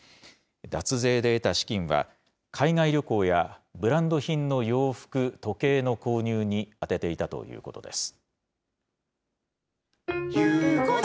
脱税で得た資金は、海外旅行や、ブランド品の洋服、時計の購入に充てていたということです。